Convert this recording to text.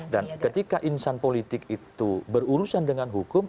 dan ketika insan politik itu berurusan dengan hukum